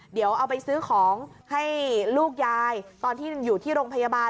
เดี๋ยวเอาไปซื้อของให้ลูกยายตอนที่อยู่ที่โรงพยาบาล